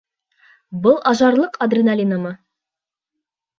— Был ажарлыҡ адреналинымы?